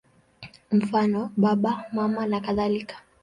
Mfano: Baba, Mama nakadhalika.